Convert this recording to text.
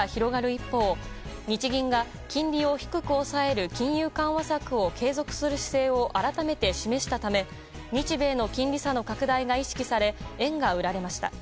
一方日銀が、金利を低く抑える金融緩和策を継続する姿勢を改めて示したため日米の金利差の拡大が意識され円が売られました。